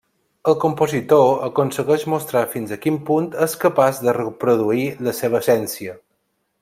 El compositor aconsegueix mostrar fins a quin punt és capaç de reproduir la seva essència.